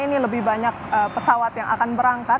ini lebih banyak pesawat yang akan berangkat